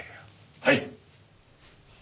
はい。